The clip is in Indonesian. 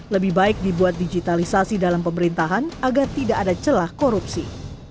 lebih baik dibuat digitalisasi dalam pemerintahan agar tidak ada celah korupsi